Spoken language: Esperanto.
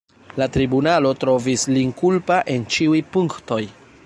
La tribunalo trovis lin kulpa en ĉiuj punktoj.